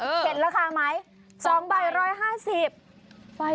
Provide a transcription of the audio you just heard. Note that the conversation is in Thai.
เห็นราคาไหม๒ใบ๑๕๐บาท